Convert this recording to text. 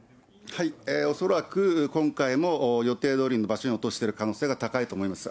恐らく今回も予定どおりの場所に落としてる可能性が高いと思います。